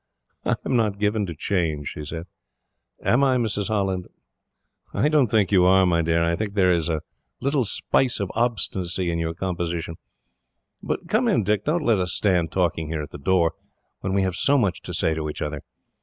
"I am not given to change," she said. "Am I, Mrs. Holland?" "I don't think you are, my dear. I think there is a little spice of obstinacy in your composition. "But come in, Dick. Don't let us stand talking here at the door, when we have so much to say to each other."